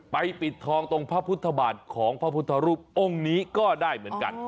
ปิดทองตรงพระพุทธบาทของพระพุทธรูปองค์นี้ก็ได้เหมือนกัน